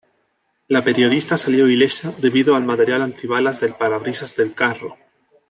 La periodista salió ilesa debido al material antibalas del parabrisas del carro.